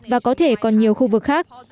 và có thể còn nhiều khu vực khác